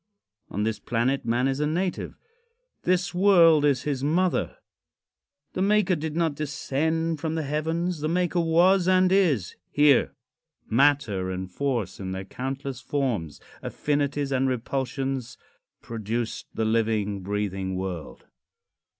Of this planet man is a native. This world is his mother. The maker did not descend from the heavens. The maker was and is here. Matter and force in their countless forms, affinities and repulsions produced the living, breathing world.